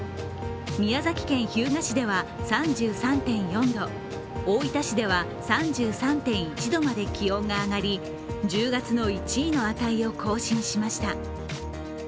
宮崎県日向市では３３．４度大分市では３３．１度まで気温が上がり１０月の１位の値を更新しました。